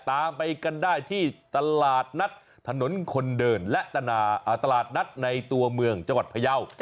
ตามไปกันได้ที่ตลาดนัดถนนคนเดินและตลาดนัดในตัวเมืองจังหวัดพยาว